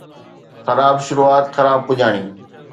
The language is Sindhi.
خراب شروعات خراب پڄاڻي